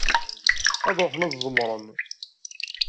Ad ruḥen ad ẓemmren.